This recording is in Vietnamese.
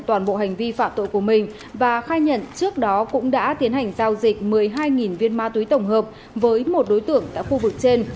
toàn bộ hành vi phạm tội của mình và khai nhận trước đó cũng đã tiến hành giao dịch một mươi hai viên ma túy tổng hợp với một đối tượng tại khu vực trên